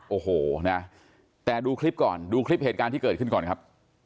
โอ้โหนะแต่ดูคลิปก่อนดูคลิปเหตุการณ์ที่เกิดขึ้นก่อนครับ